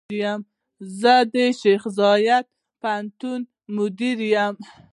زۀ د شيخ زايد پوهنتون مدير يم.